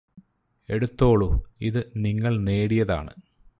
എടുത്തോളുഇത് നിങ്ങള് നേടിയതാണ്